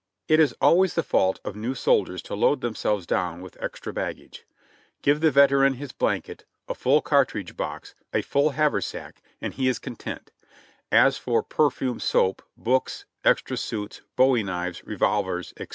It is always the fault of new soldiers to load themselves down with extra baggage ; give the veteran his blanket, a full cartridge box, a full haversack, and he is content; as for perfumed soap, books, extra suits, bowie knives, revolvers, &c.